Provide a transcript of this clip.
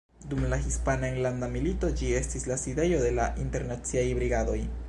Dum la Hispana Enlanda Milito ĝi estis la sidejo de la Internaciaj Brigadoj.